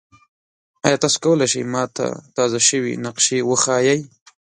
ایا تاسو کولی شئ ما ته تازه شوي نقشې وښایئ؟